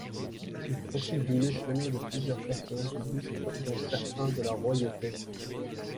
Il profite du mécénat de plusieurs personnages illustres, dont certains de la royauté.